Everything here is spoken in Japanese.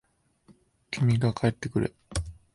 君が帰ってくれ。